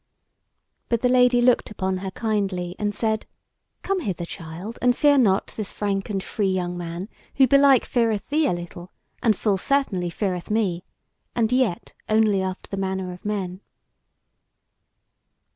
But the Lady looked upon her kindly and said: "Come hither, child, and fear not this frank and free young man, who belike feareth thee a little, and full certainly feareth me; and yet only after the manner of men."